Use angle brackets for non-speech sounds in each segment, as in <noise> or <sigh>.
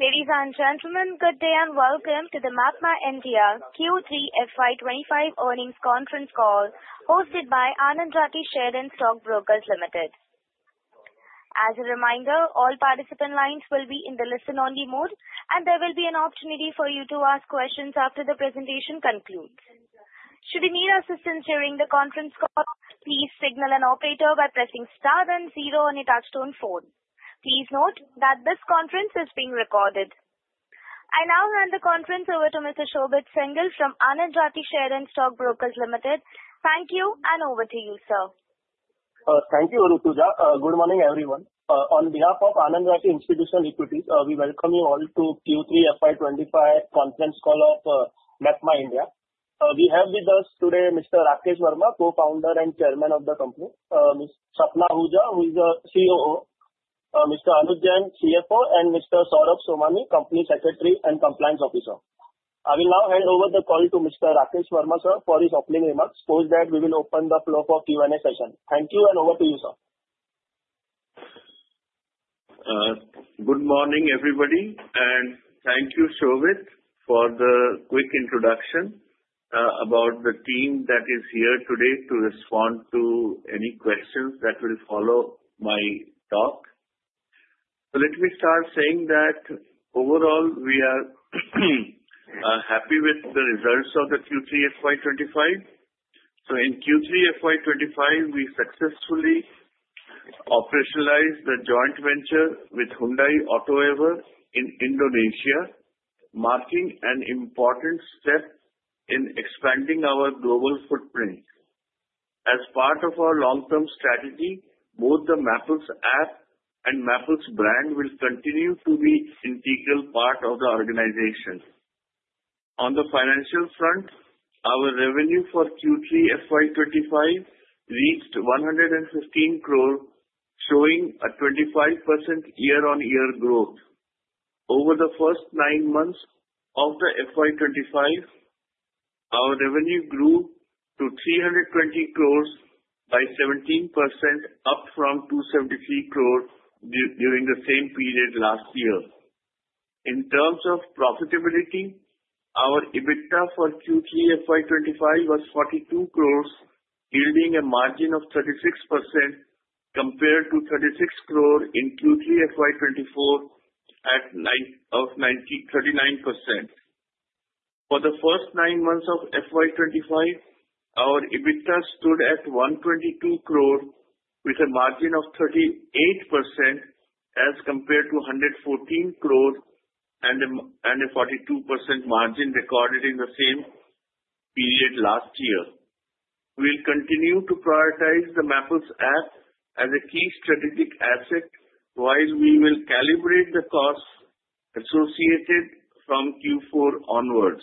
Ladies and gentlemen, good day and welcome to the MapmyIndia NDR Q3 FY25 Earnings Conference Call hosted by Anand Rathi Share and Stock Brokers Limited. As a reminder, all participant lines will be in the listen-only mode, and there will be an opportunity for you to ask questions after the presentation concludes. Should you need assistance during the conference call, please signal an operator by pressing star then zero on your touch-tone phone. Please note that this conference is being recorded. I now hand the conference over to Mr. Shobhit Singhal from Anand Rathi Share and Stock Brokers Limited. Thank you, and over to you, sir. Thank you, Anuja. Good morning, everyone. On behalf of Anand Rathi Institutional Equities, we welcome you all to Q3 FY25 Conference Call of MapmyIndia. We have with us today Mr. Rakesh Verma, co-founder and chairman of the company, Ms. Sapna Ahuja, who is the COO, Mr. Anuj Jain, CFO, and Mr. Saurabh Somani, company secretary and compliance officer. I will now hand over the call to Mr. Rakesh Verma, sir, for his opening remarks, after that we will open the floor for Q&A session. Thank you, and over to you, sir. Good morning, everybody, and thank you, Shobhit, for the quick introduction about the team that is here today to respond to any questions that will follow my talk. Let me start saying that overall, we are happy with the results of the Q3 FY25, so in Q3 FY25, we successfully operationalized the joint venture with Hyundai AutoEver in Indonesia, marking an important step in expanding our global footprint. As part of our long-term strategy, both the Mappls App and Mappls brand will continue to be an integral part of the organization. On the financial front, our revenue for Q3 FY25 reached 115 crore, showing a 25% year-on-year growth. Over the first nine months of the FY25, our revenue grew to 320 crore by 17%, up from 273 crore during the same period last year. In terms of profitability, our EBITDA for Q3 FY25 was 42 crore rupees, yielding a margin of 36% compared to 36 crore in Q3 FY24 at 39%. For the first nine months of FY25, our EBITDA stood at 122 crore, with a margin of 38% as compared to 114 crore and a 42% margin recorded in the same period last year. We'll continue to prioritize the Mappls App as a key strategic asset while we will calibrate the costs associated from Q4 onwards.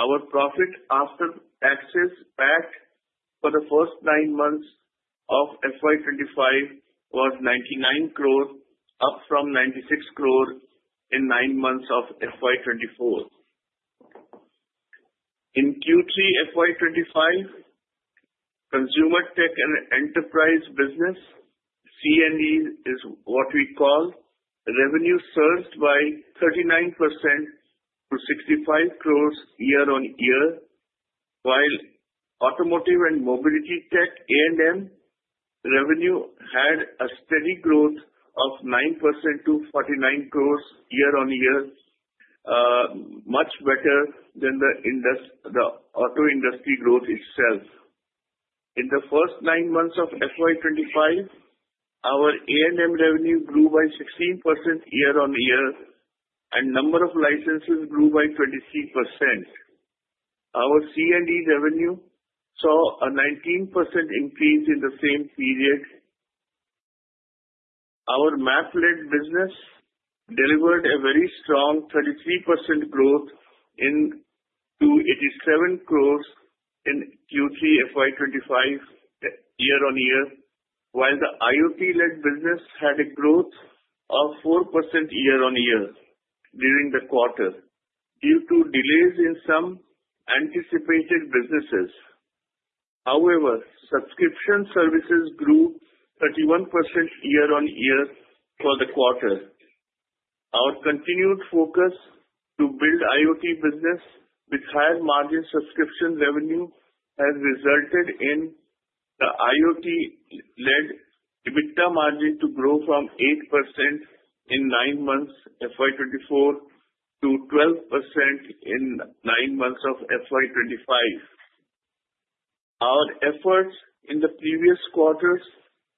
Our profit after tax for the first nine months of FY25 was 99 crore, up from 96 crore in nine months of FY24. In Q3 FY25, consumer tech and enterprise business, C&E is what we call, revenue surged by 39% to INR 65 crore year-on-year, while automotive and mobility tech A&M revenue had a steady growth of 9% to 49 crore year-on-year, much better than the auto industry growth itself. In the first nine months of FY25, our A&M revenue grew by 16% year-on-year, and number of licenses grew by 23%. Our C&E revenue saw a 19% increase in the same period. Our Map-led business delivered a very strong 33% growth to 87 crore in Q3 FY25 year-on-year, while the IoT-led business had a growth of 4% year-on-year during the quarter due to delays in some anticipated businesses. However, subscription services grew 31% year-on-year for the quarter. Our continued focus to build IoT business with higher margin subscription revenue has resulted in the IoT-led EBITDA margin to grow from 8% in nine months of FY24 to 12% in nine months of FY25. Our efforts in the previous quarters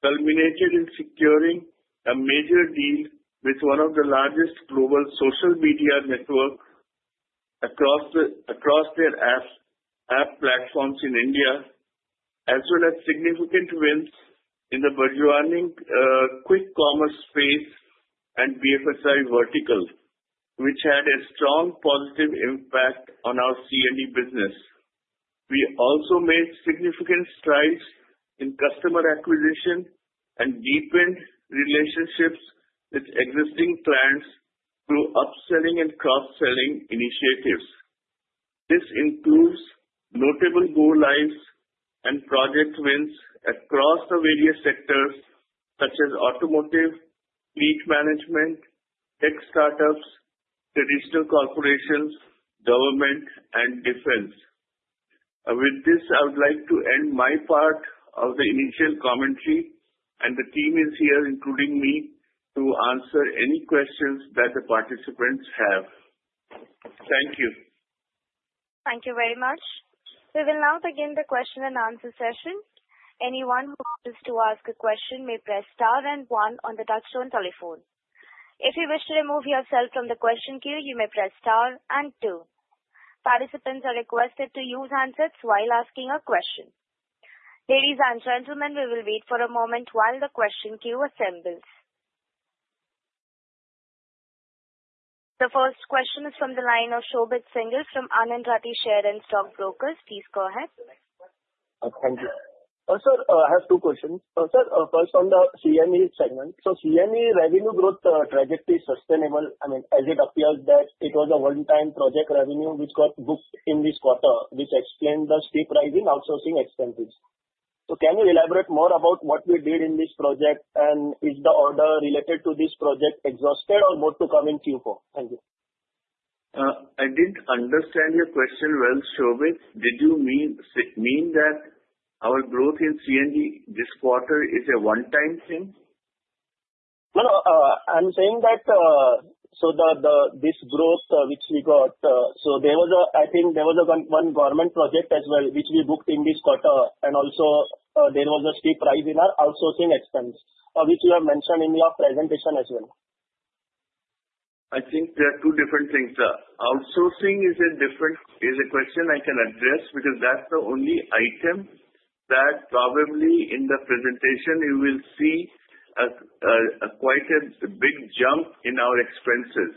culminated in securing a major deal with one of the largest global social media networks across their app platforms in India, as well as significant wins in the Q-commerce space and BFSI vertical, which had a strong positive impact on our C&E business. We also made significant strides in customer acquisition and deepened relationships with existing clients through upselling and cross-selling initiatives. This includes notable go-lives and project wins across the various sectors such as automotive, fleet management, tech startups, traditional corporations, government, and defense. With this, I would like to end my part of the initial commentary, and the team is here, including me, to answer any questions that the participants have. Thank you. Thank you very much. We will now begin the question and answer session. Anyone who wishes to ask a question may press star and one on the touch-tone telephone. If you wish to remove yourself from the question queue, you may press star and two. Participants are requested to use handsets while asking a question. Ladies and gentlemen, we will wait for a moment while the question queue assembles. The first question is from the line of Shobhit Singhal from Anand Rathi Share and Stock Brokers. Please go ahead. Thank you. Sir, I have two questions. Sir, first on the C&E segment. So C&E revenue growth trajectory is sustainable. I mean, as it appears that it was a one-time project revenue which got booked in this quarter, which explained the steep rise in outsourcing expenses. So can you elaborate more about what we did in this project, and is the order related to this project exhausted or more to come in Q4? Thank you. I didn't understand your question well, Shobhit. Did you mean that our growth in C&E this quarter is a one-time thing? I'm saying that so this growth which we got, so I think there was one government project as well which we booked in this quarter, and also there was a steep rise in our outsourcing expense, which you have mentioned in your presentation as well. I think they are two different things. Outsourcing is a different. It's a question I can address because that's the only item that probably in the presentation you will see quite a big jump in our expenses,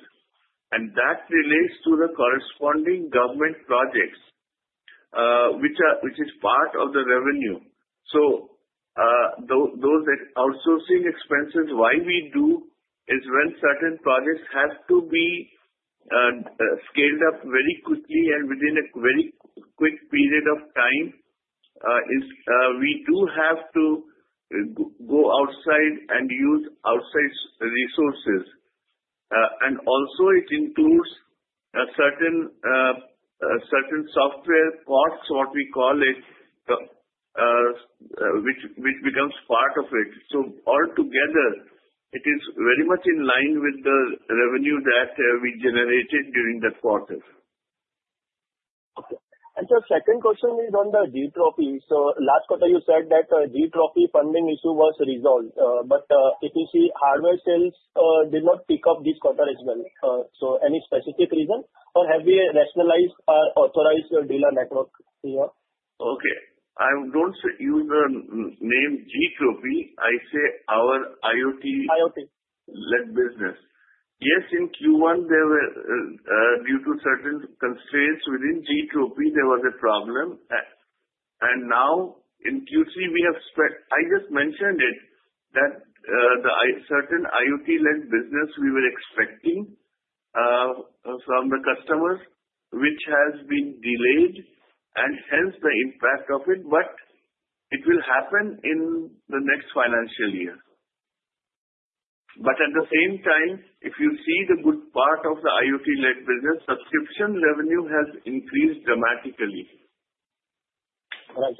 and that relates to the corresponding government projects, which is part of the revenue, so those outsourcing expenses, why we do is when certain projects have to be scaled up very quickly and within a very quick period of time, we do have to go outside and use outside resources. And also, it includes certain software parts, what we call it, which becomes part of it, so altogether, it is very much in line with the revenue that we generated during the quarter. Okay. The second question is on the Gtropy. So last quarter, you said that Gtropy funding issue was resolved, but if you see, hardware sales did not pick up this quarter as well. So any specific reason, or have you rationalized your authorized dealer network here? Okay. I don't use the name Gtropy. I say our IoT. IoT. IT-led business. Yes, in Q1, due to certain constraints within Gtropy, there was a problem. Now in Q3, we have spent. I just mentioned it. That certain IoT-led business we were expecting from the customers, which has been delayed, and hence the impact of it. It will happen in the next financial year. At the same time, if you see the good part of the IoT-led business, subscription revenue has increased dramatically. Right.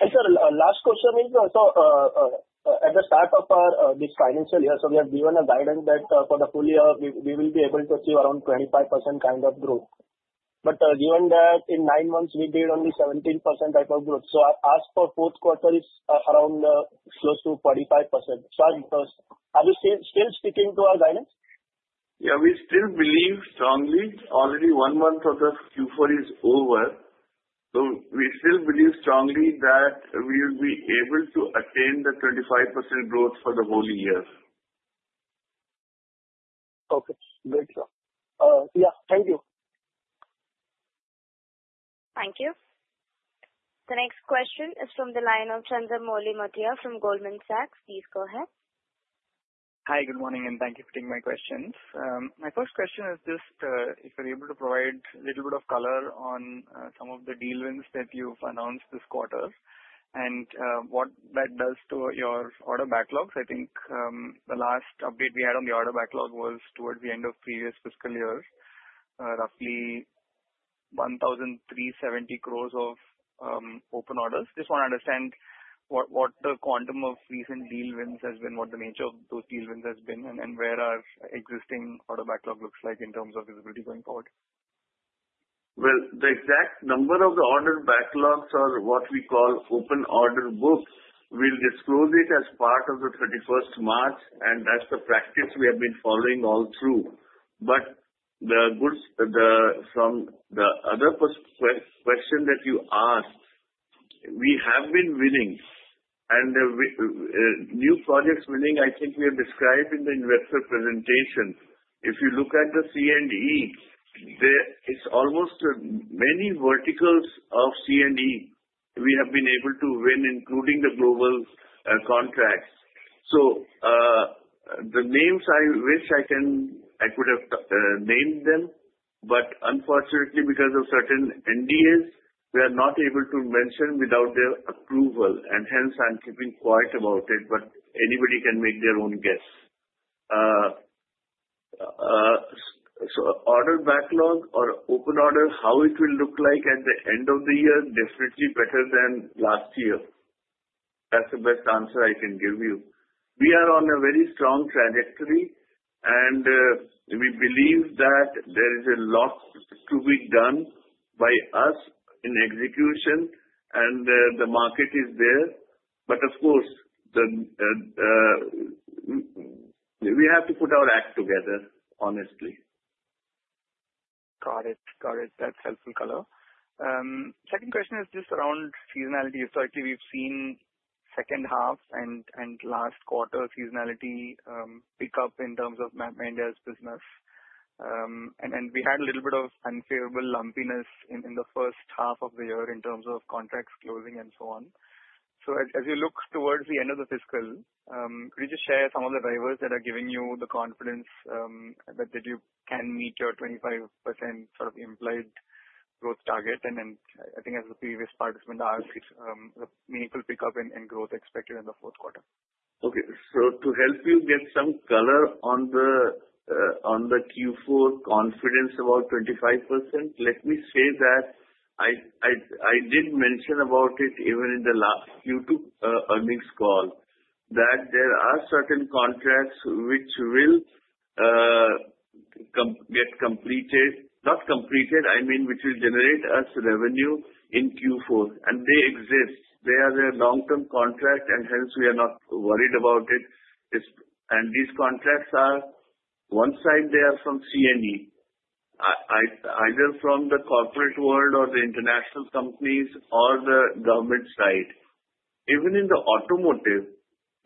And sir, last question is, so at the start of this financial year, so we have given a guidance that for the full year, we will be able to achieve around 25% kind of growth. But given that in nine months, we did only 17% type of growth, so I ask for fourth quarter is around close to 45%. So are we still sticking to our guidance? Yeah, we still believe strongly. Already one month of the Q4 is over. So we still believe strongly that we will be able to attain the 25% growth for the whole year. Okay. Great, sir. Yeah, thank you. Thank you. The next question is from the line of Chandramouli Muthiah from Goldman Sachs. Please go ahead. Hi, good morning, and thank you for taking my questions. My first question is just if you're able to provide a little bit of color on some of the deal wins that you've announced this quarter and what that does to your order backlogs. I think the last update we had on the order backlog was towards the end of previous fiscal year, roughly 1,370 crores of open orders. Just want to understand what the quantum of recent deal wins has been, what the nature of those deal wins has been, and then where our existing order backlog looks like in terms of visibility going forward. The exact number of the order backlogs or what we call open order books, we'll disclose it as part of the 31st March, and that's the practice we have been following all through. But from the other question that you asked, we have been winning, and new projects winning, I think we have described in the investor presentation. If you look at the C&E, it's almost many verticals of C&E we have been able to win, including the global contracts. So the names I wish I could have named them, but unfortunately, because of certain NDAs, we are not able to mention without their approval, and hence I'm keeping quiet about it, but anybody can make their own guess. So order backlog or open order, how it will look like at the end of the year, definitely better than last year. That's the best answer I can give you. We are on a very strong trajectory, and we believe that there is a lot to be done by us in execution, and the market is there. But of course, we have to put our act together, honestly. Got it. Got it. That's helpful color. Second question is just around seasonality. Historically, we've seen second half and last quarter seasonality pick up in terms of MapmyIndia business, and we had a little bit of unfavorable lumpiness in the first half of the year in terms of contracts closing and so on. So as you look towards the end of the fiscal, could you just share some of the drivers that are giving you the confidence that you can meet your 25% sort of implied growth target? And then I think as the previous participant asked, meaningful pickup and growth expected in the fourth quarter. Okay. To help you get some color on the Q4 confidence about 25%, let me say that I did mention about it even in the last Q2 earnings call, that there are certain contracts which will get completed, not completed, I mean, which will generate us revenue in Q4, and they exist. They are a long-term contract, and hence we are not worried about it. And these contracts are one side they are from C&E, either from the corporate world or the international companies or the government side. Even in the automotive,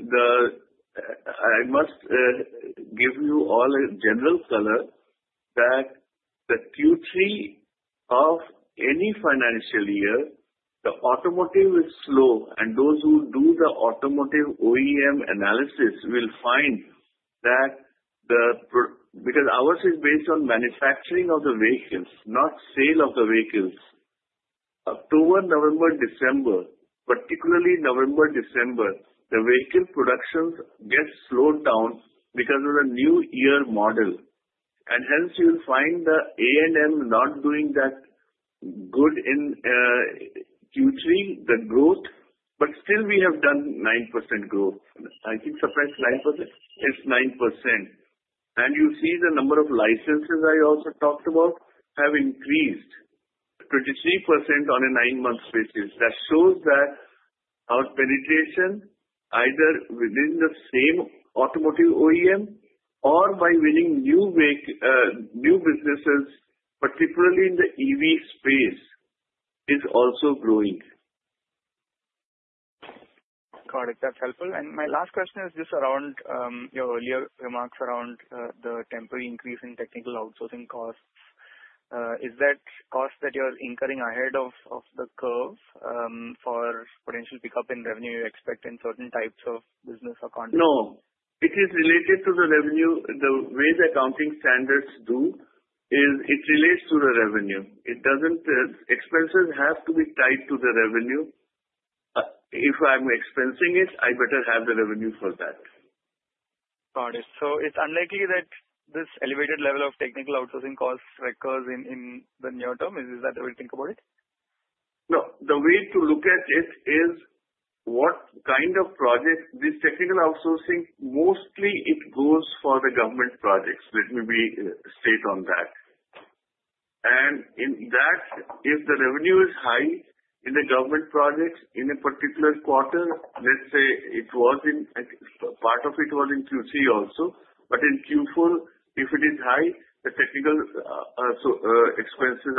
I must give you all a general color that the Q3 of any financial year, the automotive is slow, and those who do the automotive OEM analysis will find that the, because ours is based on manufacturing of the vehicles, not sale of the vehicles, October, November, December, particularly November, December, the vehicle productions get slowed down because of the new year model, and hence you'll find the A&M not doing that good in Q3, the growth, but still we have done 9% growth. I think surprise line was it? It's 9%, and you see the number of licenses I also talked about have increased 23% on a nine-month basis. That shows that our penetration, either within the same automotive OEM or by winning new businesses, particularly in the EV space, is also growing. Got it. That's helpful. And my last question is just around your earlier remarks around the temporary increase in technical outsourcing costs. Is that cost that you're incurring ahead of the curve for potential pickup in revenue you expect in certain types of business accounting? No. It is related to the revenue. The way the accounting standards do is it relates to the revenue. Expenses have to be tied to the revenue. If I'm expensing it, I better have the revenue for that. Got it. So it's unlikely that this elevated level of technical outsourcing costs recurs in the near term. Is that the way to think about it? No. The way to look at it is what kind of project this technical outsourcing mostly it goes for the government projects. Let me be straight on that. And in that, if the revenue is high in the government projects in a particular quarter, let's say it was in part in Q3 also, but in Q4, if it is high, the technical outsourcing expenses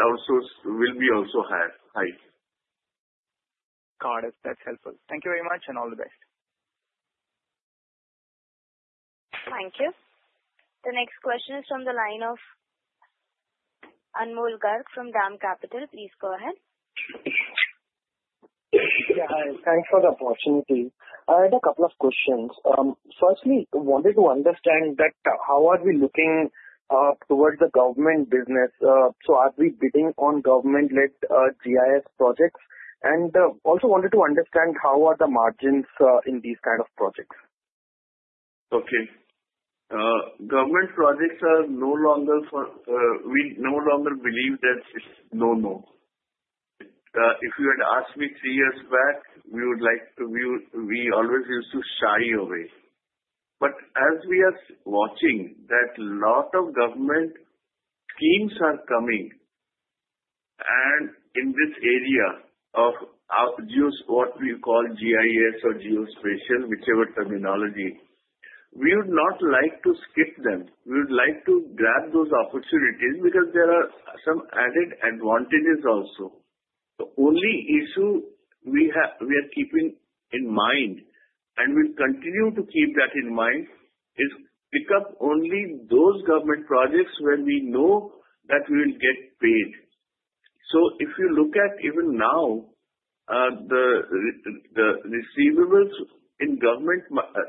will be also high. Got it. That's helpful. Thank you very much and all the best. Thank you. The next question is from the line of Anmol Garg from DAM Capital. Please go ahead. Yeah. Hi. Thanks for the opportunity. I had a couple of questions. Firstly, wanted to understand that how are we looking towards the government business? So are we bidding on government-led GIS projects? And also wanted to understand how are the margins in these kind of projects? Okay. Government projects are no longer, we no longer believe that it's no-no. If you had asked me three years back, we would like to, we always used to shy away. But as we are watching that a lot of government schemes are coming in this area of what we call GIS or geospatial, whichever terminology, we would not like to skip them. We would like to grab those opportunities because there are some added advantages also. The only issue we are keeping in mind, and we'll continue to keep that in mind, is pick up only those government projects where we know that we will get paid. So if you look at even now, the receivables in government,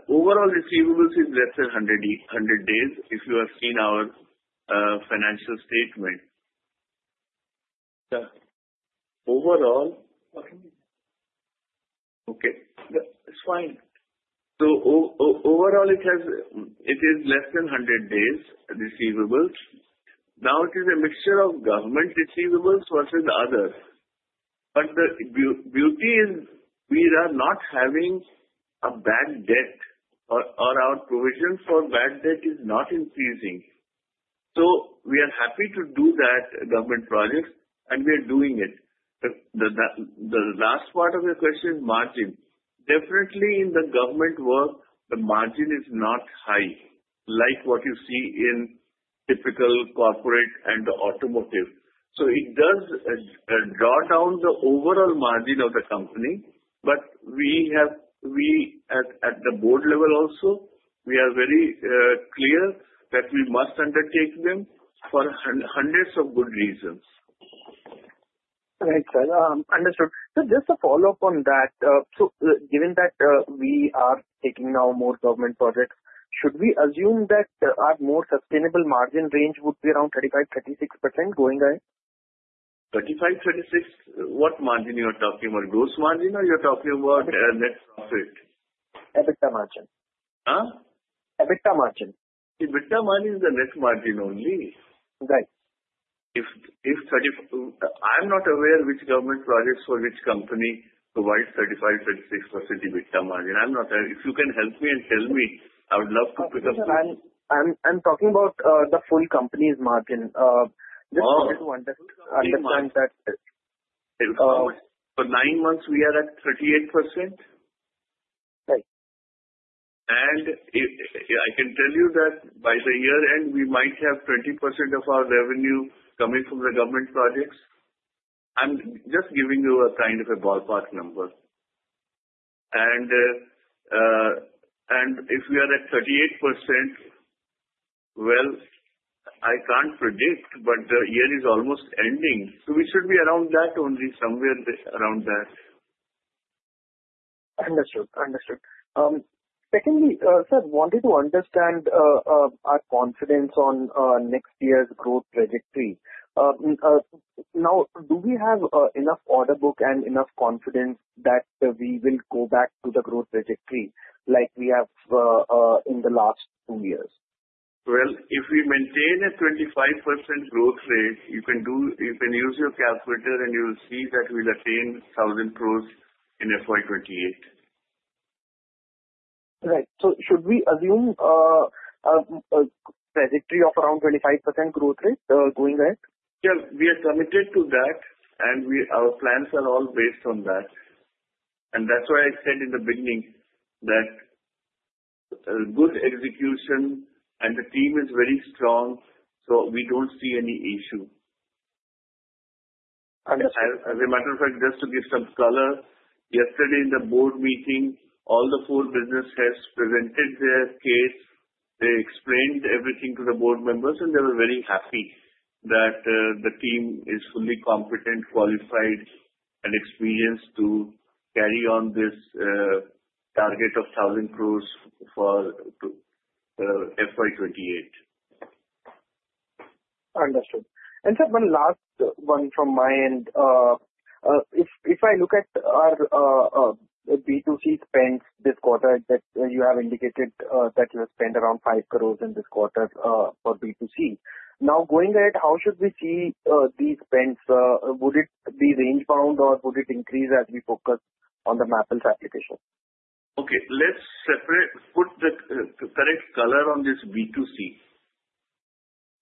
overall receivables is less than 100 days if you have seen our financial statement. Thanks. Overall. Okay. Okay. It's fine. So overall, it is less than 100 days receivables. Now it is a mixture of government receivables versus others. But the beauty is we are not having a bad debt, or our provision for bad debt is not increasing. So we are happy to do that government project, and we are doing it. The last part of your question is margin. Definitely in the government work, the margin is not high like what you see in typical corporate and automotive. So it does draw down the overall margin of the company, but we have, we at the board level also, we are very clear that we must undertake them for hundreds of good reasons. Right. Understood. So just to follow up on that, so given that we are taking now more government projects, should we assume that our more sustainable margin range would be around 35%-36% going ahead? 35, 36? What margin you are talking about? Gross margin or you're talking about net profit? EBITDA margin. Huh? EBITDA margin. EBITDA margin is the net margin only. Right. If 35%, I'm not aware which government projects for which company provide 35%-36% EBITDA margin. If you can help me and tell me, I would love to pick up. I'm talking about the full company's margin. Just wanted to understand that. For nine months, we are at 38%. Right. And I can tell you that by the year end, we might have 20% of our revenue coming from the government projects. I'm just giving you a kind of a ballpark number. And if we are at 38%, well, I can't predict, but the year is almost ending. So we should be around that only, somewhere around that. Understood. Understood. Secondly, sir, wanted to understand our confidence on next year's growth trajectory. Now, do we have enough order book and enough confidence that we will go back to the growth trajectory like we have in the last two years? If we maintain a 25% growth rate, you can use your calculator, and you'll see that we'll attain INR 1,000 crore in FY28. Right. So should we assume a trajectory of around 25% growth rate going ahead? Yeah. We are committed to that, and our plans are all based on that. And that's why I said in the beginning that good execution and the team is very strong, so we don't see any issue. Understood. As a matter of fact, just to give some color, yesterday in the board meeting, all the four business heads presented their case. They explained everything to the board members, and they were very happy that the team is fully competent, qualified, and experienced to carry on this target of 1,000 crore for FY28. Understood. And sir, one last one from my end. If I look at our B2C spends this quarter, you have indicated that you have spent around five crores in this quarter for B2C. Now, going ahead, how should we see these spends? Would it be range-bound, or would it increase as we focus on the Mappls application? Okay. Let's put the correct color on this B2C.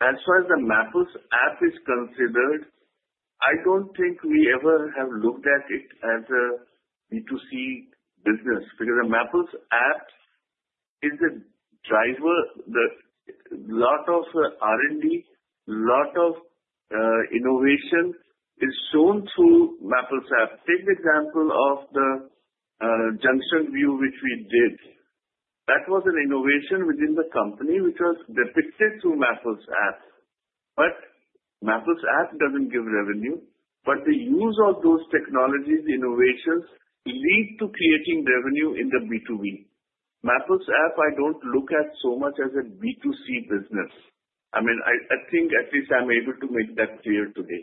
As far as the Mappls App is considered, I don't think we ever have looked at it as a B2C business because the Mappls App is a driver. A lot of R&D, a lot of innovation is shown through Mappls App. Take the example of the Junction View, which we did. That was an innovation within the company which was depicted through Mappls App. But Mappls App doesn't give revenue, but the use of those technologies, innovations, lead to creating revenue in the B2B. Mappls App, I don't look at so much as a B2C business. I mean, I think at least I'm able to make that clear today.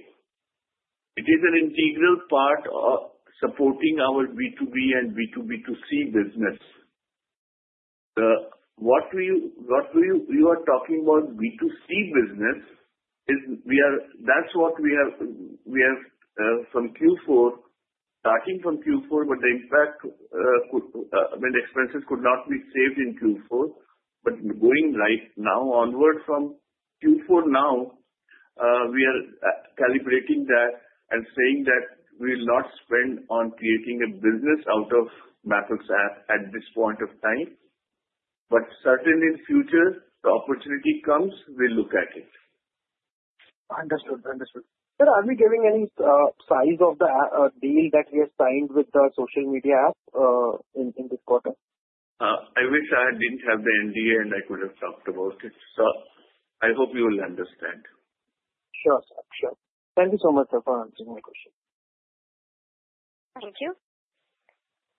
It is an integral part of supporting our B2B and B2B2C business. What you are talking about, B2C business, that's what we have from Q4, starting from Q4, but the impact when expenses could not be saved in Q4. But going right now onward from Q4 now, we are calibrating that and saying that we will not spend on creating a business out of Mappls App at this point of time. But certainly in future, the opportunity comes, we'll look at it. Understood. Understood. Sir, are we giving any size of the deal that we have signed with the social media app in this quarter? I wish I didn't have the NDA, and I could have talked about it. So I hope you will understand. Sure. Sure. Thank you so much, sir, for answering my question. Thank you.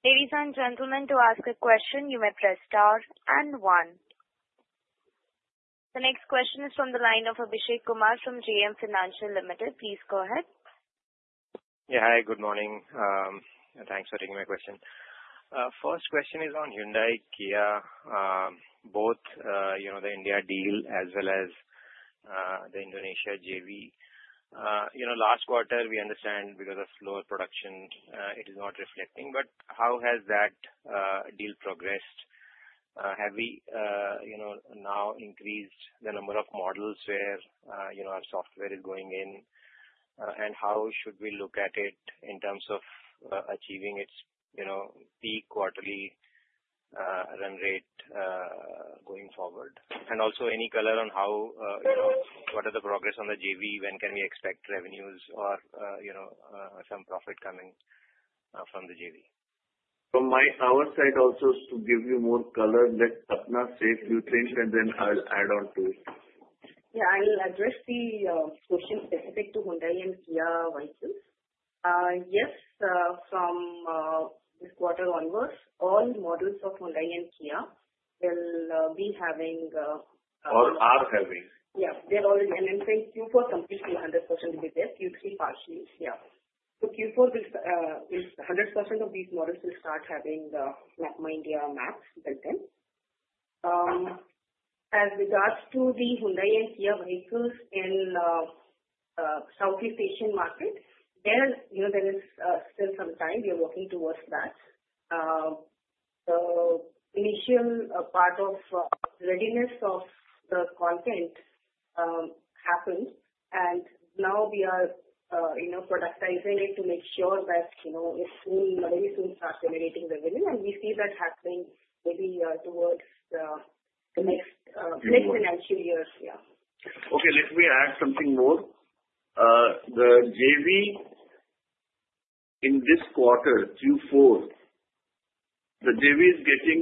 Ladies and gentlemen, to ask a question, you may press star and one. The next question is from the line of Abhishek Kumar from JM Financial Limited. Please go ahead. Yeah. Hi. Good morning. Thanks for taking my question. First question is on Hyundai, Kia, both the India deal as well as the Indonesia JV. Last quarter, we understand because of slower production, it is not reflecting. But how has that deal progressed? Have we now increased the number of models where our software is going in? And how should we look at it in terms of achieving its peak quarterly run rate going forward? And also any color on what are the progress on the JV? When can we expect revenues or some profit coming from the JV? From our side also to give you more color, let Sapna say a few things, and then I'll add on to it. Yeah. I'll address the question specific to Hyundai and Kia vehicles. Yes, from this quarter onwards, all models of Hyundai and Kia will be having. All are having. Yeah. They're all. And then say Q4 completely 100% will be there. Q3 partially. Yeah. So Q4, 100% of these models will start having the MapmyIndia maps built in. As regards to the Hyundai and Kia vehicles in Southeast Asian market, there is still some time. We are working towards that. The initial part of readiness of the content happened, and now we are productizing it to make sure that it's soon, very soon, start generating revenue. And we see that happening maybe towards the next financial years. Yeah. Okay. Let me add something more. The JV in this quarter, Q4, the JV is getting.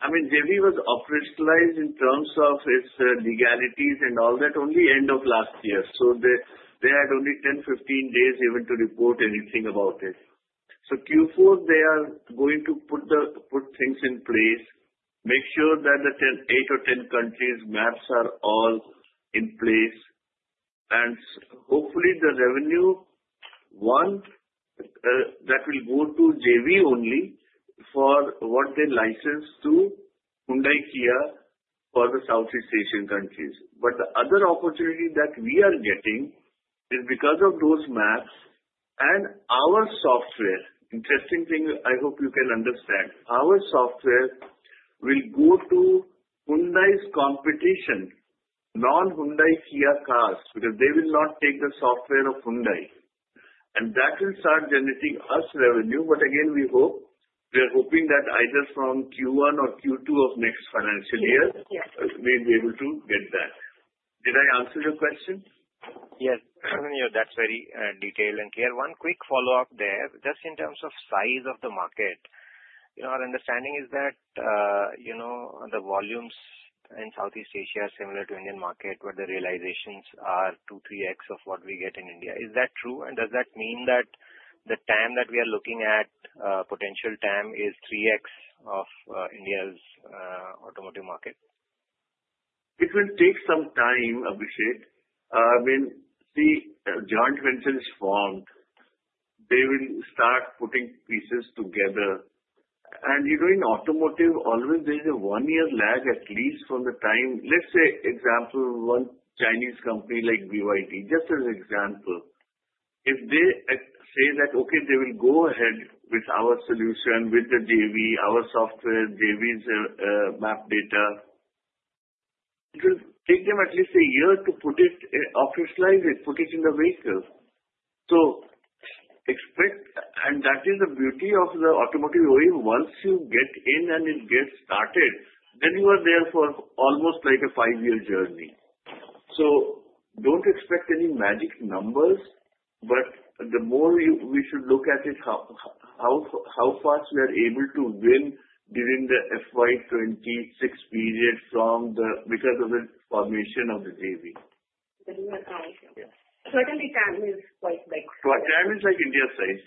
I mean, JV was operationalized in terms of its legalities and all that only end of last year. So they had only 10, 15 days even to report anything about it. So Q4, they are going to put things in place, make sure that the eight or 10 countries' maps are all in place. And hopefully, the revenue, one, that will go to JV only for what they licensed to Hyundai, Kia for the Southeast Asian countries. But the other opportunity that we are getting is because of those maps and our software. Interesting thing, I hope you can understand. Our software will go to Hyundai's competition, non-Hyundai Kia cars because they will not take the software of Hyundai. And that will start generating us revenue. But again, we hope. We are hoping that either from Q1 or Q2 of next financial year, we'll be able to get that. Did I answer your question? Yes. That's very detailed and clear. One quick follow-up there. Just in terms of size of the market, our understanding is that the volumes in Southeast Asia are similar to Indian market, but the realizations are 2x-3x of what we get in India. Is that true? And does that mean that the TAM that we are looking at, potential TAM, is 3x of India's automotive market? It will take some time, Abhishek. I mean, see, joint ventures formed, they will start putting pieces together. And in automotive, always there is a one-year lag at least from the time let's say example, one Chinese company like BYD, just as an example. If they say that, "Okay, they will go ahead with our solution, with the JV, our software, JV's map data," it will take them at least a year to put it, operationalize it, put it in the vehicle. So expect and that is the beauty of the automotive wave. Once you get in and it gets started, then you are there for almost like a five-year journey. So don't expect any magic numbers, but the more we should look at it, how fast we are able to win during the FY26 period from the because of the formation of the JV. Certainly, TAM is quite like. TAM is like India size.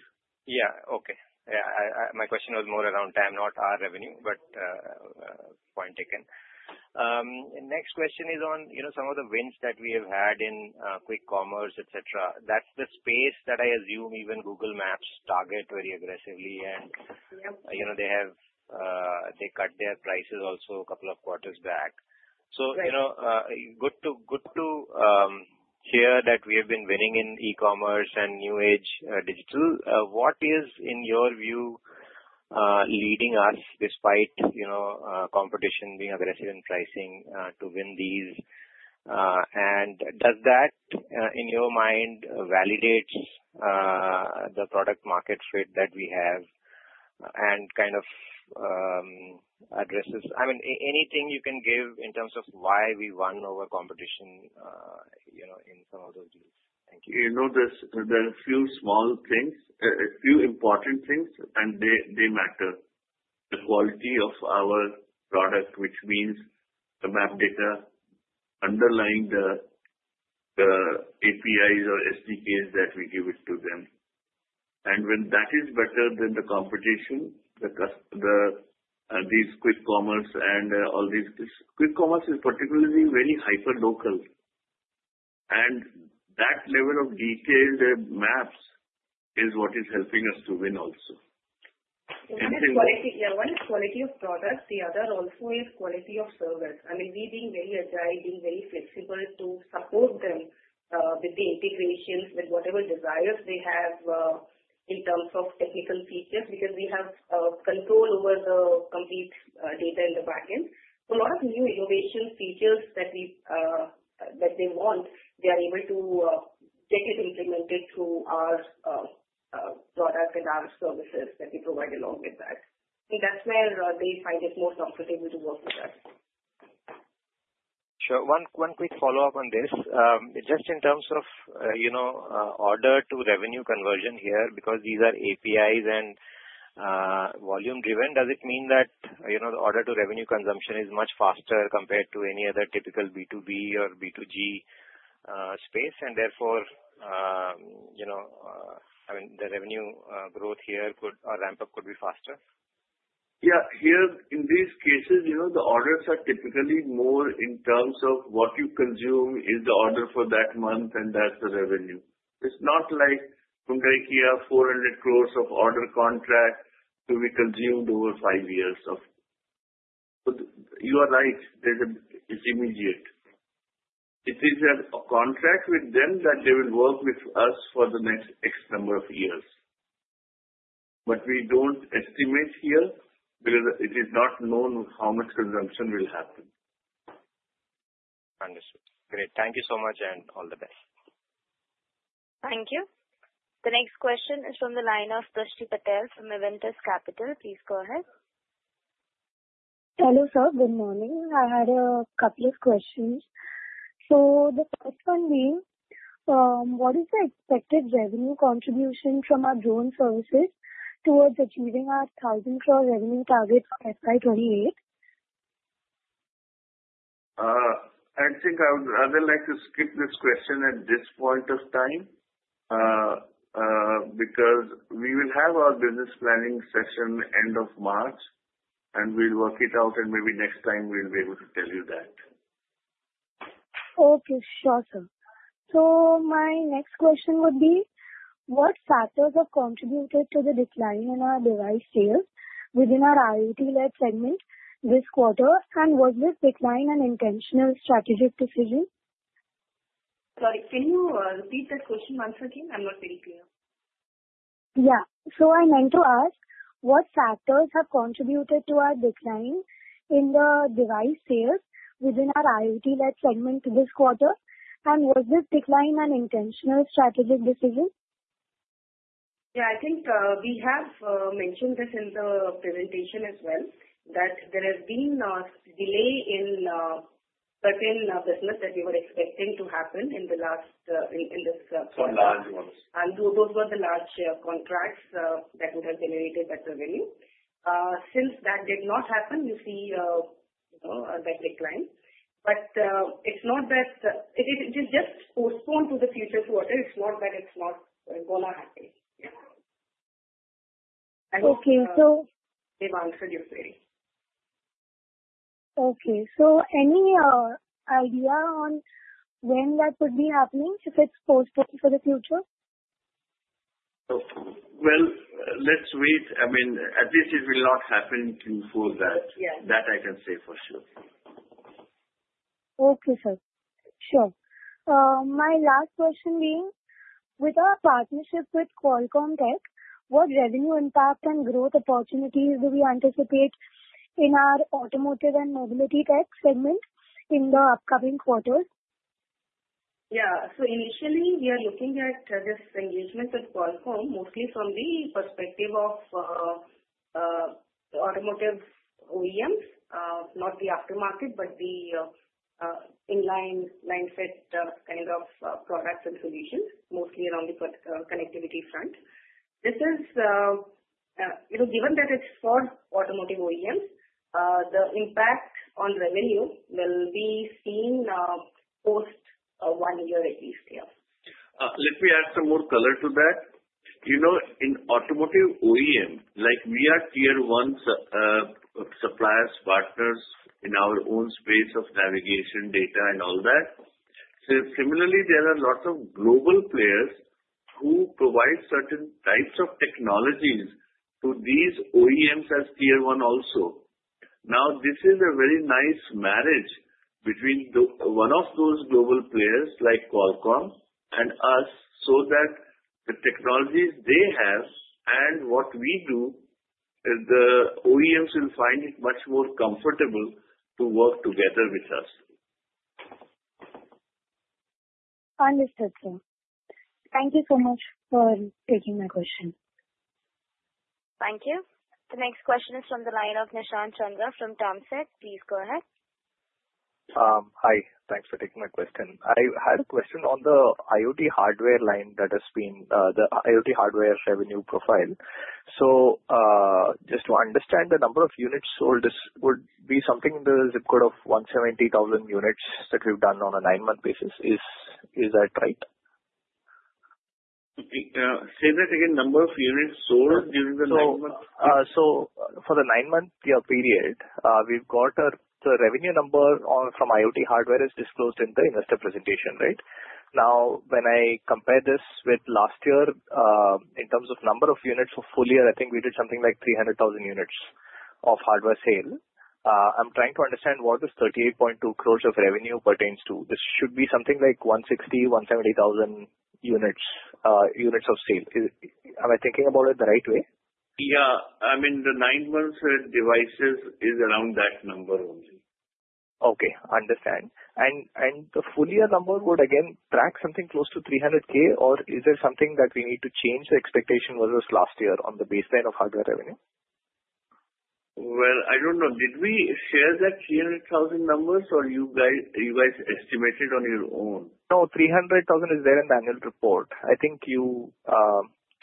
Yeah. Okay. Yeah. My question was more around TAM, not our revenue, but point taken. Next question is on some of the wins that we have had in quick commerce, etc. That's the space that I assume even Google Maps target very aggressively, and they cut their prices also a couple of quarters back. So good to hear that we have been winning in e-commerce and new-age digital. What is, in your view, leading us despite competition being aggressive in pricing to win these? And does that, in your mind, validate the product market fit that we have and kind of addresses? I mean, anything you can give in terms of why we won over competition in some of those deals? Thank you. You know, there are a few small things, a few important things, and they matter. The quality of our product, which means the map data underlying the APIs or SDKs that we give it to them. And when that is better than the competition, these quick commerce and all these quick commerce is particularly very hyper-local. And that level of detailed maps is what is helping us to win also. Yeah. One is quality of product. The other also is quality of service. I mean, we being very agile, being very flexible to support them with the integrations, with whatever desires they have in terms of technical features because we have control over the complete data in the backend. A lot of new innovation features that they want, they are able to get it implemented through our product and our services that we provide along with that. And that's where they find it more comfortable to work with us. Sure. One quick follow-up on this. Just in terms of order to revenue conversion here, because these are APIs and volume-driven, does it mean that the order to revenue consumption is much faster compared to any other typical B2B or B2G space, and therefore, I mean, the revenue growth here could or ramp-up could be faster? Yeah. Here, in these cases, the orders are typically more in terms of what you consume is the order for that month, and that's the revenue. It's not like Hyundai, Kia, 400 crore order contract to be consumed over five years of. You are right. It's immediate. It is a contract with them that they will work with us for the next X number of years. But we don't estimate here because it is not known how much consumption will happen. Understood. Great. Thank you so much and all the best. Thank you. The next question is from the line of <inaudible> Patel from Avendus Capital. Please go ahead. Hello, sir. Good morning. I had a couple of questions. So the first one being, what is the expected revenue contribution from our drone services towards achieving our 1,000 crore revenue target for FY28? I think I would rather like to skip this question at this point of time because we will have our business planning session end of March, and we'll work it out, and maybe next time we'll be able to tell you that. Okay. Sure, sir. So my next question would be, what factors have contributed to the decline in our device sales within our IoT-led segment this quarter, and was this decline an intentional strategic decision? Sorry. Can you repeat that question once again? I'm not very clear. Yeah. So I meant to ask, what factors have contributed to our decline in the device sales within our IoT-led segment this quarter, and was this decline an intentional strategic decision? Yeah. I think we have mentioned this in the presentation as well, that there has been a delay in certain business that we were expecting to happen in the last in this quarter. For large ones. Those were the large contracts that would have generated that revenue. Since that did not happen, you see that decline. But it's not that it is just postponed to the future quarter. It's not that it's not going to happen. Yeah. Okay, so they've answered your query. Okay, so any idea on when that could be happening, if it's postponed for the future? Let's wait. I mean, at least it will not happen before that. That I can say for sure. Okay, sir. Sure. My last question being, with our partnership with Qualcomm Tech, what revenue impact and growth opportunities do we anticipate in our automotive and mobility tech segment in the upcoming quarters? Yeah. So initially, we are looking at this engagement with Qualcomm mostly from the perspective of automotive OEMs, not the aftermarket, but the inline mindset kind of products and solutions, mostly around the connectivity front. This is given that it's for automotive OEMs, the impact on revenue will be seen post one year at least here. Let me add some more color to that. In automotive OEM, we are tier one suppliers, partners in our own space of navigation, data, and all that. Similarly, there are lots of global players who provide certain types of technologies to these OEMs as tier one also. Now, this is a very nice marriage between one of those global players like Qualcomm and us so that the technologies they have and what we do, the OEMs will find it much more comfortable to work together with us. Understood, sir. Thank you so much for taking my question. Thank you. The next question is from the line of Nishant Chandra from Temasek. Please go ahead. Hi. Thanks for taking my question. I had a question on the IoT hardware line that has been the IoT hardware revenue profile. So just to understand, the number of units sold would be something in the zip code of 170,000 units that we've done on a nine-month basis. Is that right? Say that again. Number of units sold during the nine-month? So for the nine-month period, we've got the revenue number from IoT hardware is disclosed in the investor presentation, right? Now, when I compare this with last year in terms of number of units for full year, I think we did something like 300,000 units of hardware sale. I'm trying to understand what the 38.2 crores of revenue pertains to. This should be something like 160,000, 170,000 units of sale. Am I thinking about it the right way? Yeah. I mean, the nine-month devices is around that number only. Okay. Understand. And the full year number would, again, track something close to 300K, or is there something that we need to change the expectation versus last year on the baseline of hardware revenue? I don't know. Did we share that 300,000 numbers, or you guys estimated on your own? No, 300,000 is there in the annual report. I think the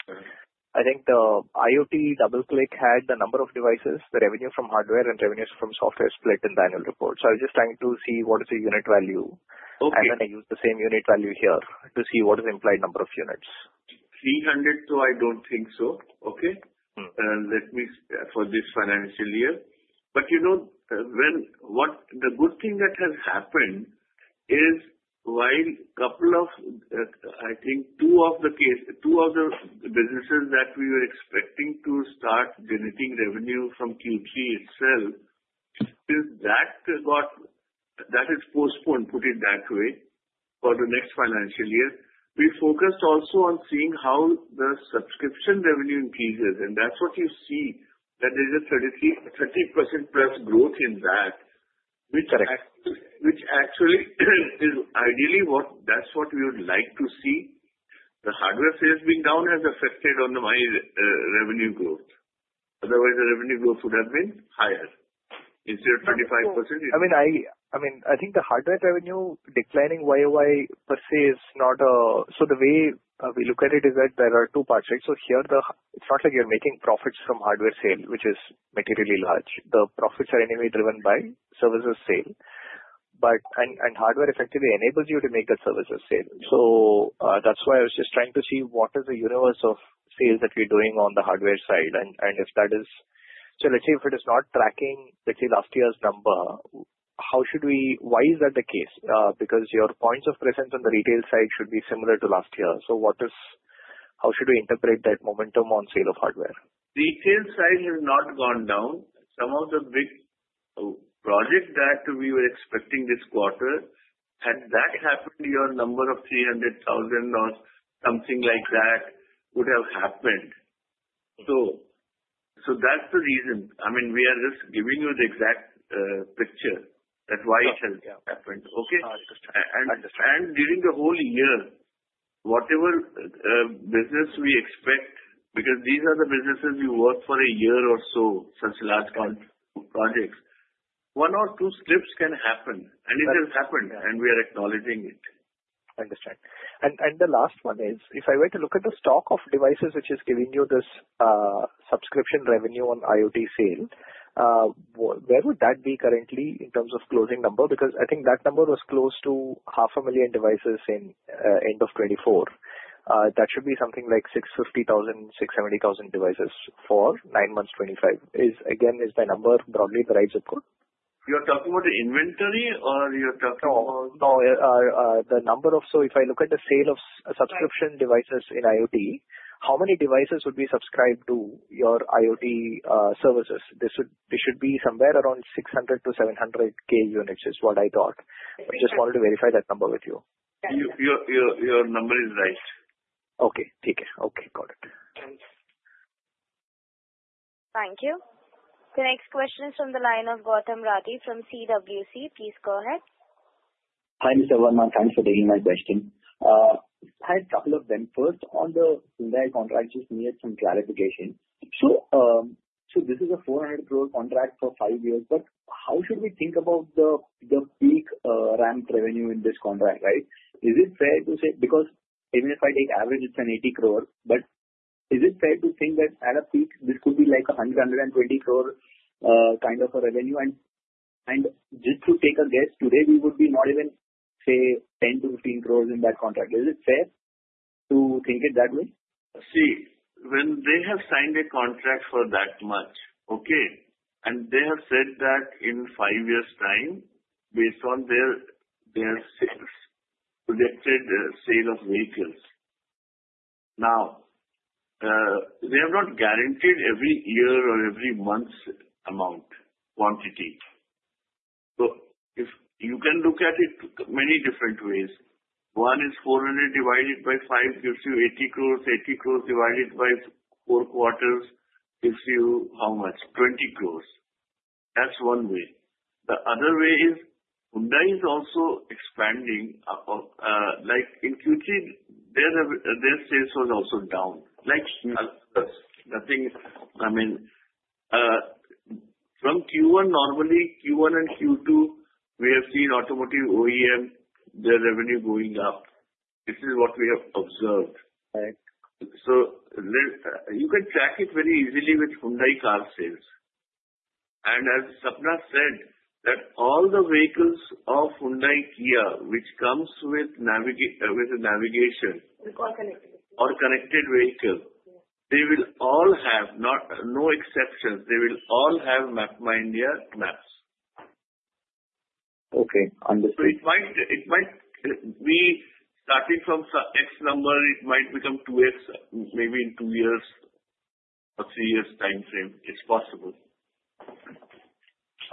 IoT double-click had the number of devices, the revenue from hardware and revenues from software split in the annual report. So I was just trying to see what is the unit value, and then I used the same unit value here to see what is the implied number of units. 300,000, I don't think so. Okay. And let me for this financial year. But the good thing that has happened is while a couple of, I think, two of the businesses that we were expecting to start generating revenue from Q3 itself, since that is postponed, put it that way, for the next financial year, we focused also on seeing how the subscription revenue increases. And that's what you see, that there is a 30% plus growth in that, which actually is ideally what that's what we would like to see. The hardware sales being down has affected on the revenue growth. Otherwise, the revenue growth would have been higher. Instead of 25%. I mean, I think the hardware revenue declining YOY per se is not, so the way we look at it is that there are two parts, right? So here, it's not like you're making profits from hardware sale, which is materially large. The profits are anyway driven by services sale. And hardware effectively enables you to make a services sale. So that's why I was just trying to see what is the universe of sales that we're doing on the hardware side and if that is so let's say if it is not tracking, let's say, last year's number, why is that the case? Because your points of presence on the retail side should be similar to last year. So how should we interpret that momentum on sale of hardware? Retail side has not gone down. Some of the big projects that we were expecting this quarter, had that happened, your number of 300,000 or something like that would have happened. So that's the reason. I mean, we are just giving you the exact picture. That's why it has happened. Okay? And during the whole year, whatever business we expect, because these are the businesses we work for a year or so, such large projects, one or two slips can happen. And it has happened, and we are acknowledging it. Understood. And the last one is, if I were to look at the stock of devices which is giving you this subscription revenue on IoT sale, where would that be currently in terms of closing number? Because I think that number was close to 500,000 devices in end of 2024. That should be something like 650,000, 670,000 devices for nine months, 2025. Again, is the number broadly the right zip code? You're talking about the inventory, or you're talking about? No. No. The number, so if I look at the sale of subscription devices in IoT, how many devices would be subscribed to your IoT services? This should be somewhere around 600-700K units is what I thought. I just wanted to verify that number with you. Your number is right. Okay. TK. Okay. Got it. Thank you. The next question is from the line of Gautam Rathi from CWC. Please go ahead. Hi, Mr. Verma. Thanks for taking my question. I had a couple of them first. On the Hyundai contract, just needed some clarification. So this is a 400 crore contract for five years, but how should we think about the peak ramp revenue in this contract, right? Is it fair to say because even if I take average, it's an 80 crore, but is it fair to think that at a peak, this could be like 100-120 crore kind of a revenue? And just to take a guess, today, we would be not even, say, 10-15 crores in that contract. Is it fair to think it that way? See, when they have signed a contract for that much, okay, and they have said that in five years' time, based on their projected sale of vehicles. Now, they have not guaranteed every year or every month's amount, quantity. So you can look at it many different ways. One is 400 divided by 5 gives you 80 crores. 80 crores divided by four quarters gives you how much? 20 crores. That's one way. The other way is Hyundai is also expanding. In Q3, their sales were also down. Like nothing. I mean, from Q1, normally, Q1 and Q2, we have seen automotive OEM, their revenue going up. This is what we have observed. So you can track it very easily with Hyundai car sales. And as Sapna said, that all the vehicles of Hyundai Kia, which comes with navigation or connected vehicle, they will all have no exceptions. They will all have MapmyIndia maps. Okay. Understood. So it might be starting from X number. It might become 2X maybe in two years or three years' time frame. It's possible.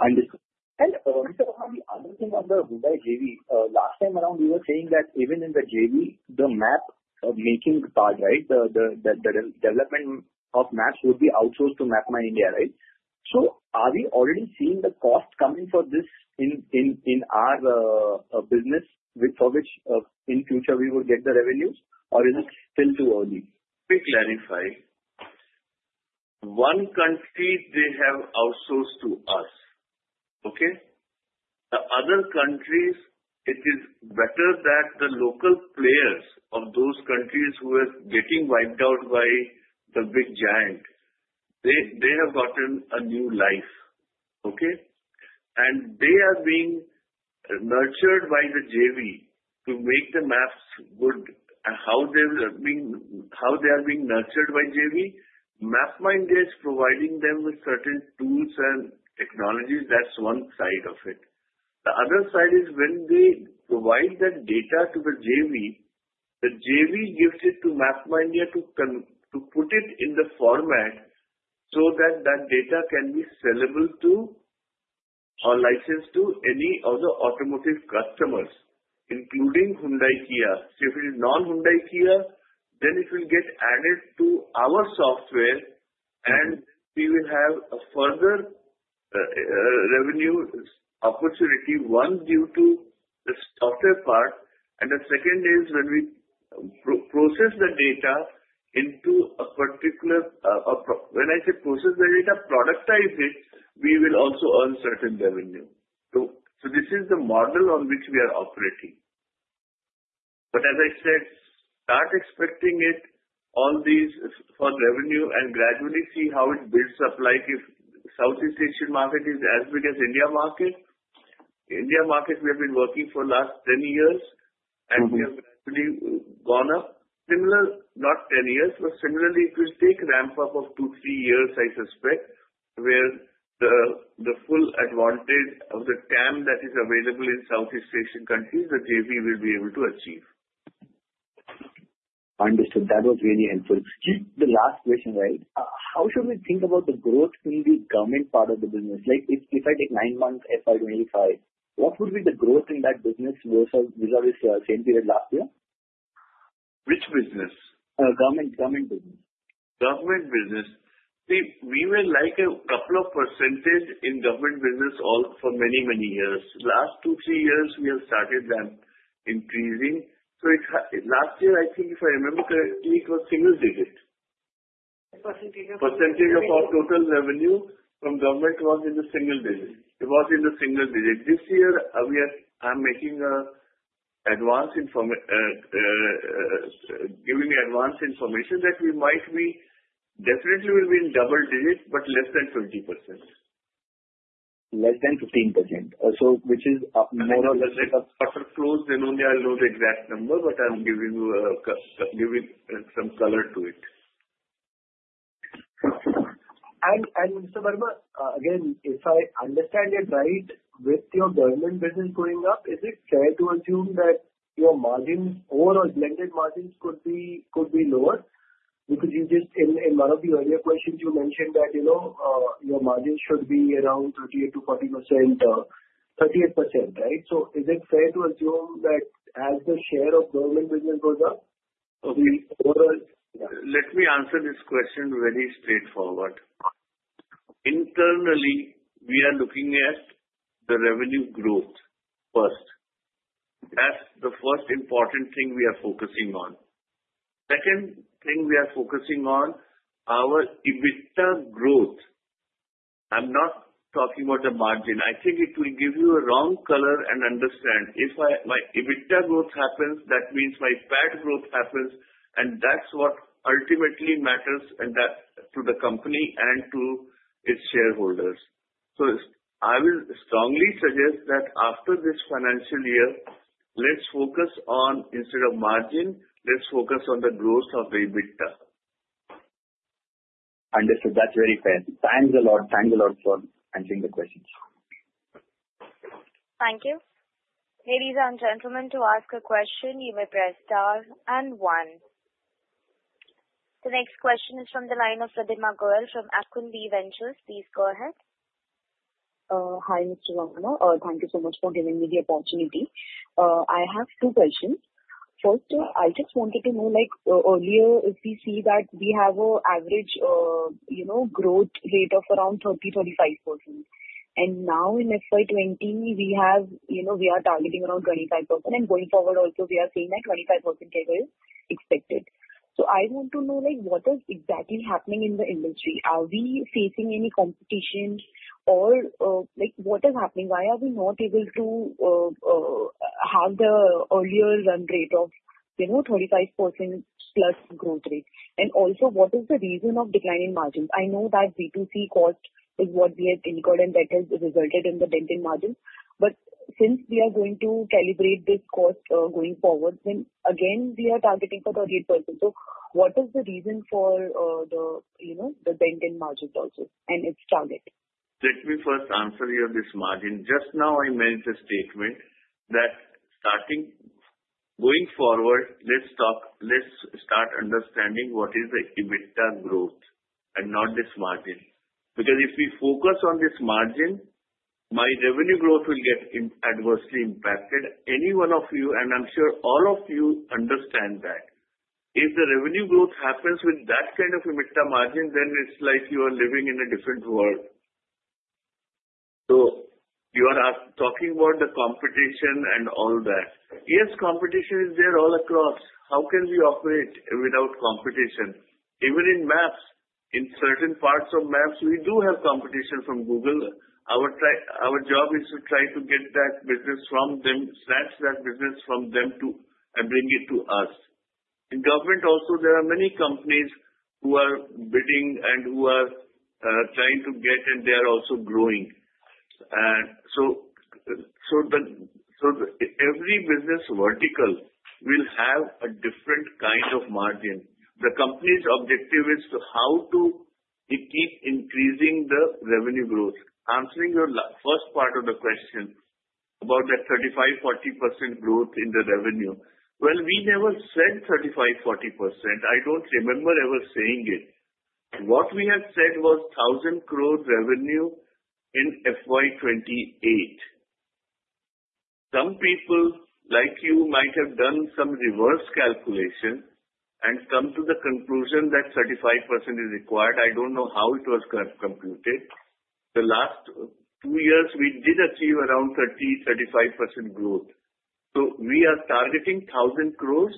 Understood. And Mr. Verma, the other thing on the Hyundai JV, last time around, we were saying that even in the JV, the map making part, right, the development of maps would be outsourced to MapmyIndia, right? So are we already seeing the cost coming for this in our business for which in future we will get the revenue, or is it still too early? Let me clarify. One country, they have outsourced to us. Okay? The other countries, it is better that the local players of those countries who are getting wiped out by the big giant, they have gotten a new life. Okay? And they are being nurtured by the JV to make the maps good. How they are being nurtured by JV? MapmyIndia is providing them with certain tools and technologies. That's one side of it. The other side is when they provide that data to the JV, the JV gives it to MapmyIndia to put it in the format so that that data can be sellable to or licensed to any other automotive customers, including Hyundai Kia. If it is non-Hyundai Kia, then it will get added to our software, and we will have a further revenue opportunity, one, due to the software part, and the second is when we process the data into a particular, when I say process the data, productize it, we will also earn certain revenue. So this is the model on which we are operating. But as I said, start expecting it, all these for revenue, and gradually see how it builds up. The Southeast Asian market is as big as the India market. The India market, we have been working for the last 10 years, and we have gradually gone up. Similarly, not 10 years, but similarly, it will take ramp up of two, three years, I suspect, where the full advantage of the TAM that is available in Southeast Asian countries, the JV will be able to achieve. Understood. That was really helpful. The last question, right? How should we think about the growth in the government part of the business? If I take nine months, FY25, what would be the growth in that business versus the same period last year? Which business? Government business. Government business. See, we were like a couple of % in government business for many, many years. Last two, three years, we have started them increasing. So last year, I think, if I remember correctly, it was single-digit %. Percentage of our total revenue from government was in the single digit. It was in the single digit. This year, I'm giving you advanced information that we might be definitely will be in double digit, but less than 20%. Less than 15%, which is more or less. FY25, then only I'll know the exact number, but I'm giving you some color to it. Mr. Verma, again, if I understand it right, with your government business going up, is it fair to assume that your margins, overall blended margins, could be lower? Because in one of the earlier questions, you mentioned that your margins should be around 38%-40%, 38%, right? So is it fair to assume that as the share of government business goes up, we overall? Let me answer this question very straightforward. Internally, we are looking at the revenue growth first. That's the first important thing we are focusing on. Second thing we are focusing on, our EBITDA growth. I'm not talking about the margin. I think it will give you a wrong color and understanding. If my EBITDA growth happens, that means my PAT growth happens, and that's what ultimately matters to the company and to its shareholders. So I will strongly suggest that after this financial year, let's focus on, instead of margin, let's focus on the growth of EBITDA. Understood. That's very fair. Thanks a lot. Thanks a lot for answering the questions. Thank you. Ladies and gentlemen, to ask a question, you may press star and one. The next question is from the line of Sudhima <inaudible> of Aquin V Ventures. Please go ahead. Hi, Mr. Verma. Thank you so much for giving me the opportunity. I have two questions. First, I just wanted to know, earlier, if we see that we have an average growth rate of around 30-35%. And now in FY24, we are targeting around 25%, and going forward also, we are seeing that 25% year-to-year expected. So I want to know what is exactly happening in the industry. Are we facing any competition, or what is happening? Why are we not able to have the earlier run rate of 35% plus growth rate? And also, what is the reason of declining margins? I know that B2C cost is what we have incurred, and that has resulted in the dent in margins. But since we are going to calibrate this cost going forward, then again, we are targeting for 38%. So what is the reason for the dent in margins also and its target? Let me first answer you on this margin. Just now, I made the statement that going forward, let's start understanding what is the EBITDA growth and not this margin. Because if we focus on this margin, my revenue growth will get adversely impacted. Any one of you, and I'm sure all of you understand that. If the revenue growth happens with that kind of EBITDA margin, then it's like you are living in a different world. So you are talking about the competition and all that. Yes, competition is there all across. How can we operate without competition? Even in maps, in certain parts of maps, we do have competition from Google. Our job is to try to get that business from them, snatch that business from them, and bring it to us. In government also, there are many companies who are bidding and who are trying to get, and they are also growing. So every business vertical will have a different kind of margin. The company's objective is how to keep increasing the revenue growth. Answering your first part of the question about that 35%-40% growth in the revenue, well, we never said 35%-40%. I don't remember ever saying it. What we have said was 1,000 crore revenue in FY28. Some people like you might have done some reverse calculation and come to the conclusion that 35% is required. I don't know how it was computed. The last two years, we did achieve around 30%-35% growth. So we are targeting 1,000 crores,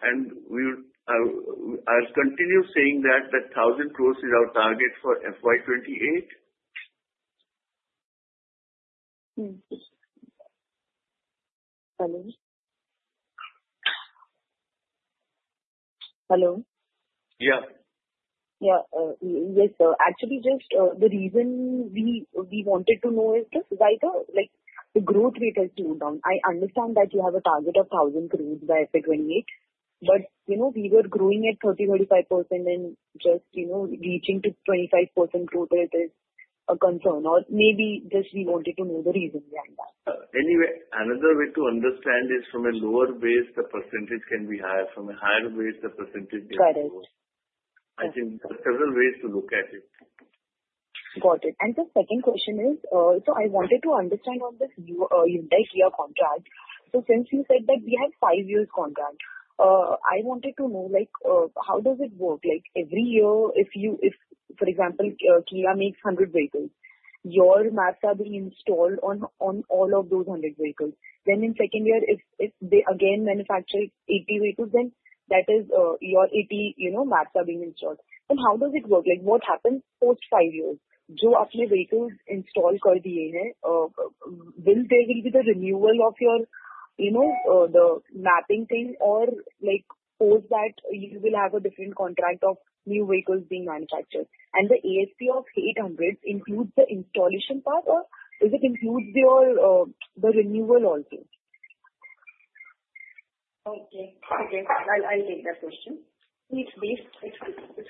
and I'll continue saying that the 1,000 crores is our target for FY28. Hello. Hello. Yeah. Yeah. Yes. Actually, just the reason we wanted to know is just why the growth rate has slowed down. I understand that you have a target of 1,000 crores by FY28, but we were growing at 30%-35%, and just reaching to 25% growth is a concern. Or maybe just we wanted to know the reason behind that. Anyway, another way to understand is from a lower base, the percentage can be higher. From a higher base, the percentage can be lower. Correct. I think there are several ways to look at it. Got it. And the second question is, so I wanted to understand on this Hyundai Kia contract. So since you said that we have five-year contract, I wanted to know how does it work? Every year, if, for example, Kia makes 100 vehicles, your maps are being installed on all of those 100 vehicles. Then in second year, if they again manufacture 80 vehicles, then that is your 80 maps are being installed. Then how does it work? What happens post five years? Jo aapne vehicles install kar diye hain, will there be the renewal of your mapping thing, and post that you will have a different contract of new vehicles being manufactured? And the ASP of 800 includes the installation part, and is it includes your renewal also? Okay. Okay. I will take that question. It's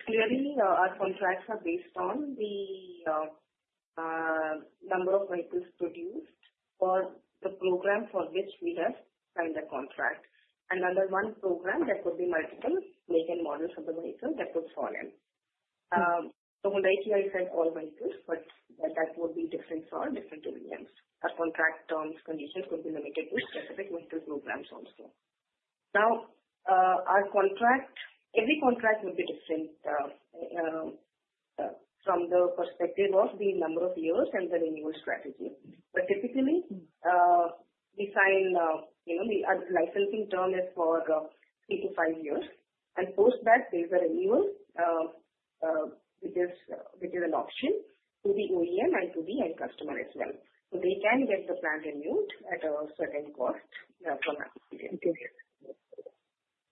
clearly, our contracts are based on the number of vehicles produced for the program for which we have signed the contract. And under one program, there could be multiple make and models of the vehicle that could fall in. So Hyundai Kia is set all vehicles, but that would be different for different regions. Our contract terms condition could be limited to specific vehicle programs also. Now, our contract, every contract would be different from the perspective of the number of years and the renewal strategy. But typically, we sign, the licensing term is for three to five years, and post that, there is a renewal, which is an option to the OEM and to the end customer as well. So they can get the plan renewal at a certain cost from that period.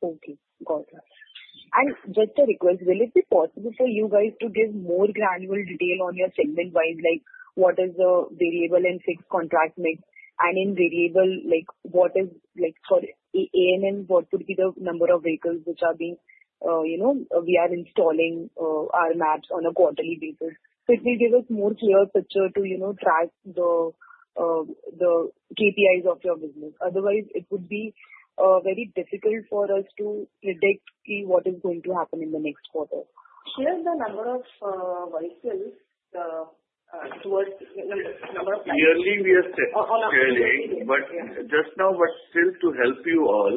Okay. Got it. Just a request. Will it be possible for you guys to give more granular detail on your segment-wise? Like, what is the variable and fixed contract mix? And in variable, what is for A&M, what could be the number of vehicles which are being, we are installing our maps on a quarterly basis? So it will give us more clear picture to track the KPI of your business. Otherwise, it would be very difficult for us to predict like what is going to happen in the next quarter. Share the number of vehicles towards number of licenses? Yearly, we are set. Early, but just now, but still to help you all,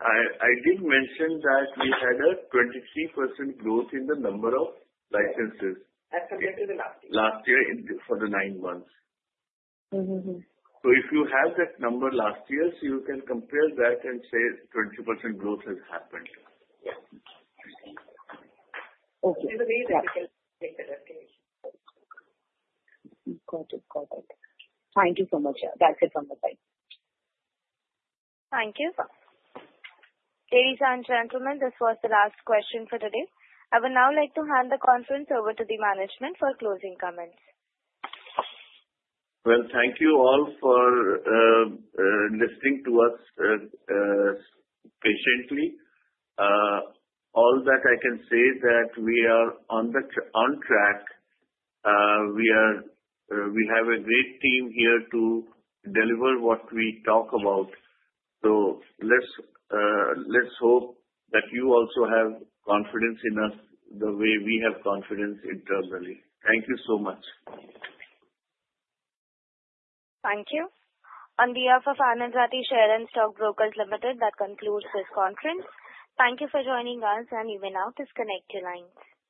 I didn't mention that we had a 23% growth in the number of licenses as compared to the last year. Last year for the nine months. So if you have that number last year, so you can compare that and see 20% growth has happened. Yeah. Okay. Got it. Got it. Thank you so much. That's it from the side. Thank you. Ladies and gentlemen, this was the last question for today. I would now like to hand the conference over to the management for closing comments. Well, thank you all for listening to us patiently. All that I can say is that we are on track. We have a great team here to deliver what we talk about. So let's hope that you also have confidence in us the way we have confidence internally. Thank you so much. Thank you. On behalf of Anand Rathi Share and Stock Brokers Limited, that concludes this conference. Thank you for joining us, and you may now disconnect your lines.